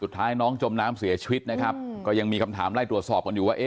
สุดท้ายน้องจมน้ำเสียชีวิตนะครับก็ยังมีคำถามไล่ตรวจสอบกันอยู่ว่า